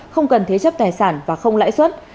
không cần thế chấp tài sản và không lãi suất